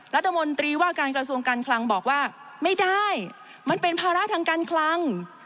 รัฐมนตรีว่าการกระทรวงการคลังบอกว่าไม่ได้มันเป็นภาระทางการคลัง